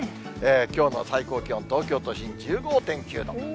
きょうの最高気温、東京都心１５．９度。